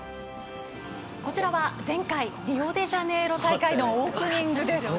こちらは前回リオデジャネイロ大会のオープニングです。